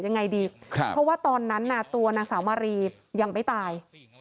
ยังไงดีครับเพราะว่าตอนนั้นน่ะตัวนางสาวมารียังไม่ตาย